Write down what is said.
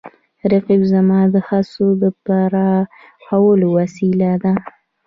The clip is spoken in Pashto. رقیب زما د هڅو د پراخولو وسیله ده